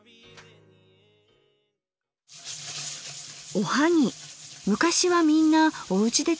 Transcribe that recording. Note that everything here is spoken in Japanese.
おはぎ昔はみんなおうちでつくってたんですよね。